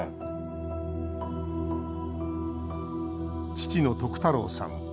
父の徳太郎さん。